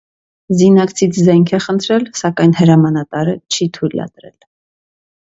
Զինակցից զենք է խնդրել, սակայն հրամանատարը չի թույլատրել։